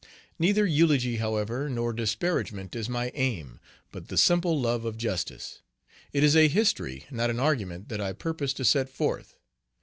Neither eulogy, however, nor disparagement is my aim, but the simple love of justice. It is a history, not an argument, that I purpose to set forth.